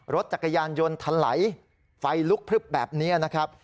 รถจักรยานยนต์ทะไหลไฟลุกพลึบแบบนี้นะครับ